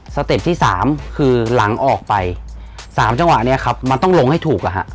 เต็ปที่สามคือหลังออกไป๓จังหวะนี้ครับมันต้องลงให้ถูกอ่ะฮะ